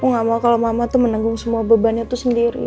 aku gak mau kalau mama tuh menenggung semua bebannya sendiri